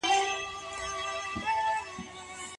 فرهنګي وده د هر ملت لپاره وياړ دی.